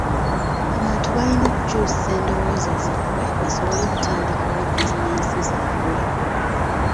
Abantu balina okukyusa endowooza zaabwe basobole okutandikawo bizinensi zaabwe.